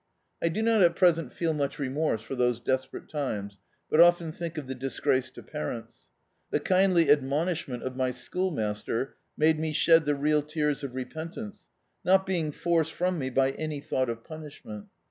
I do not at present feel much re morse for those desperate times, but often think of the disgrace to parents. The kindly admonishment of my schoolmaster made me shed the real tears of repentance, not being forced from me by any thought of punishment.